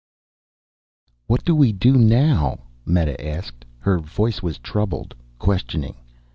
"What do we do now?" Meta asked. Her voice was troubled, questioning.